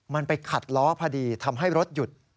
มันไปขัดล้อพอดีทำให้รถหยุด